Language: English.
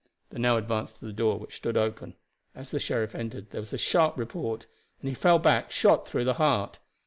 They now advanced to the door, which stood open. As the sheriff entered there was a sharp report, and he fell back shot through the heart.